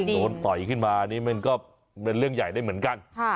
ต่อยขึ้นมานี่มันก็เป็นเรื่องใหญ่ได้เหมือนกัน